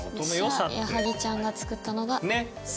私は矢作ちゃんが作ったのが。